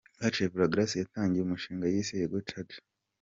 Iwacu Evra Grâce yatangiye umushinga yise “Yego Charger”.